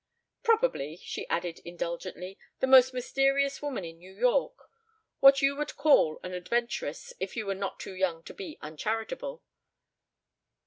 "Probably," she added indulgently, "the most mysterious woman in New York. What you would call an adventuress if you were not too young to be uncharitable.